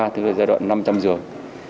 tức là giai đoạn năm trăm linh giường